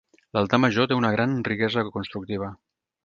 L'altar major té una gran riquesa constructiva.